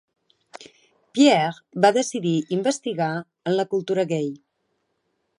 Pierre va decidir investigar en la cultura gai.